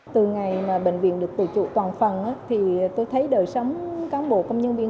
từ ngày mà bệnh viện được tự chủ toàn phần thì tôi thấy đời sống cán bộ công nhân viên